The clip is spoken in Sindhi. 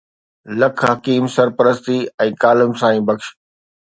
لک حڪيم سربستي ۽ ڪلم سائين بخش